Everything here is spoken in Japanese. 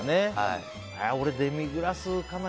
俺、デミグラスかな。